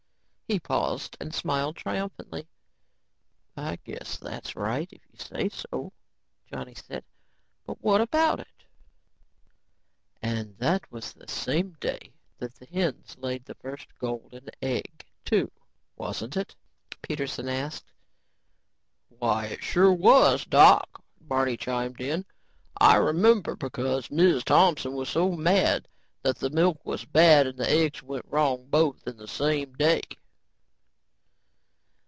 He paused and smiled triumphantly. "I guess that's right if you say so," Johnny said. "But what about it?" "And that was the same day that the hens laid the first golden egg too, wasn't it?" Peterson asked. "Why it sure was, Doc," Barney chimed in. "I remember, cause Miz Thompson was so mad that the milk was bad and the eggs went wrong both in the same day."